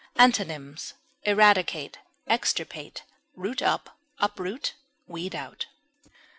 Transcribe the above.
Antonyms: eradicate, extirpate, root up, uproot, weed out.